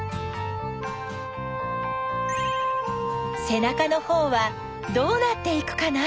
せなかのほうはどうなっていくかな？